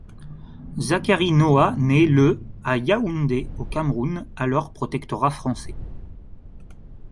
Zacharie Noah naît le à Yaoundé, au Cameroun, alors protectorat français.